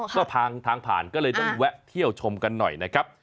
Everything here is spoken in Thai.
ก็ทางผ่านก็เลยต้องแวะเที่ยวชมกันหน่อยนะครับ